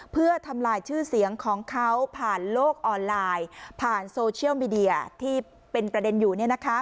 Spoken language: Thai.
เพื่อทำลายชื่อเสียงของเขาผ่านโลกออนไลน์ผ่านโซเชียลมีเดียที่เป็นประเด็นอยู่